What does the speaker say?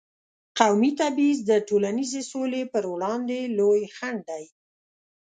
قومي تبعیض د ټولنیزې سولې پر وړاندې لوی خنډ دی.